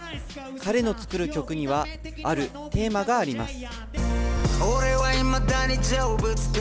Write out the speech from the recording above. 彼の作る曲には、あるテーマがあります。